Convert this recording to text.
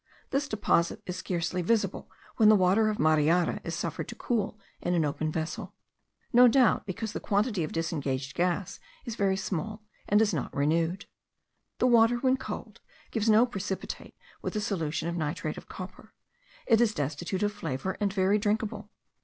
This deposit is scarcely visible when the water of Mariara is suffered to cool in an open vessel; no doubt because the quantity of disengaged gas is very small, and is not renewed. The water, when cold, gives no precipitate with a solution of nitrate of copper; it is destitute of flavour, and very drinkable.